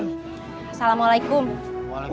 pokoknya dalam satu bulan ini saya akan evaluasi